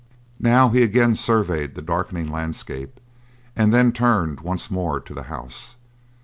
Now he again surveyed the darkening landscape and then turned once more to the house.